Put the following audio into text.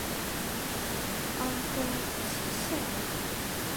安徽歙县人。